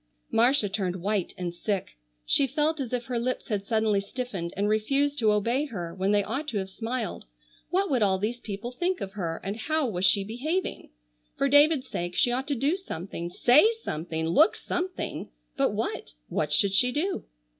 Marcia turned white and sick. She felt as if her lips had suddenly stiffened and refused to obey her when they ought to have smiled. What would all these people think of her, and how was she behaving? For David's sake she ought to do something, say something, look something, but what—what should she do?